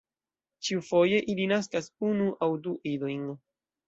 Ĉiufoje ili naskas unu aŭ du idojn.